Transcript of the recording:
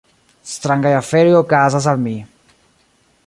Strangaj aferoj okazas al mi.